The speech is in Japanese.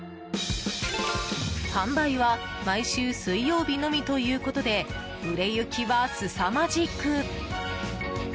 販売は毎週水曜日のみということで売れ行きは、すさまじく。